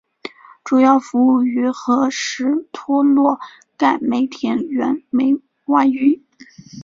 主要服务于和什托洛盖煤田原煤外运。